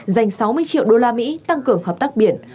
dành sáu mươi triệu đô la mỹ tăng cường hợp tác biển